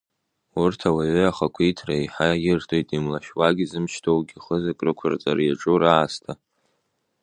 Урҭ ауаҩы ахақәиҭра еиҳа ирҭоит, имлашьуагьы зымч ҭоугьы хызак рықәырҵарц иаҿу раасҭа.